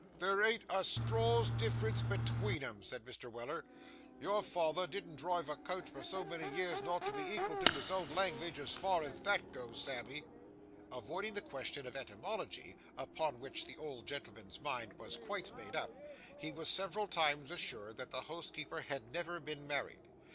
'There an't a straw's difference between 'em,' said Mr. Weller. 'Your father didn't drive a coach for so many years, not to be ekal to his own langvidge as far as that goes, Sammy.' Avoiding the question of etymology, upon which the old gentleman's mind was quite made up, he was several times assured that the housekeeper had never been married.